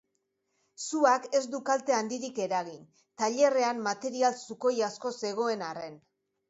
Suak ez du kalte handirik eragin, tailerrean material sukoi asko zegoen arren.